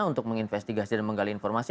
untuk menginvestigasi dan menggali informasi